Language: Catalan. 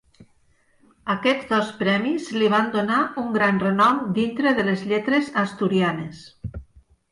Aquests dos premis li van donar un gran renom dintre de les lletres asturianes.